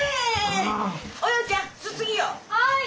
はい！